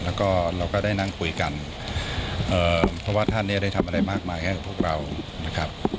แล้วก็เราก็ได้นั่งคุยกันเพราะว่าท่านเนี่ยได้ทำอะไรมากมายให้กับพวกเรานะครับ